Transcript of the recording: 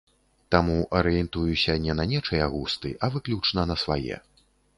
Таму арыентуюся не на нечыя густы, а выключна на свае.